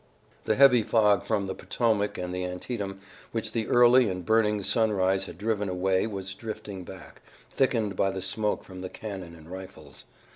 The heavy fog from the Potomac and the Antietam which the early and burning sunrise had driven away was drifting back, thickened by the smoke from the cannon and rifles.